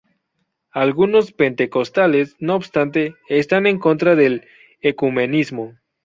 Algunos pentecostales, no obstante, están en contra del ecumenismo.